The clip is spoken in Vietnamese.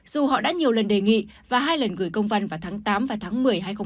dù họ đã nhiều lần đề nghị và hai lần gửi công văn vào tháng tám và tháng một mươi hai nghìn hai mươi ba